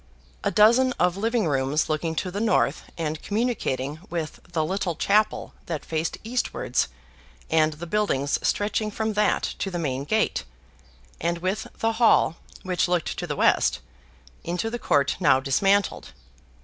A dozen of living rooms looking to the north, and communicating with the little chapel that faced eastwards and the buildings stretching from that to the main gate, and with the hall (which looked to the west) into the court now dismantled.